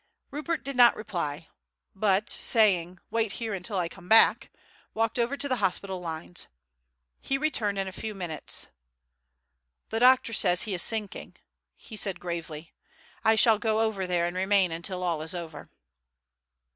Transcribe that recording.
Rupert did not reply, but, saying, "Wait here until I come back," walked over to the hospital lines. He returned in a few minutes. "The doctor says he is sinking," he said gravely. "I shall go over there and remain until all is over."